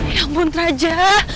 ya ampun raja